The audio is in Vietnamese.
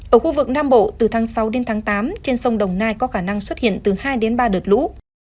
ở khu vực nam bộ từ tháng sáu đến tháng tám trên sông đồng nai có khả năng xuất hiện từ hai đến ba đợt lũ